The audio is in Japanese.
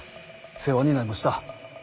世話にないもした。